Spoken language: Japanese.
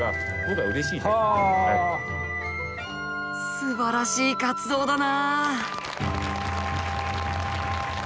すばらしい活動だな。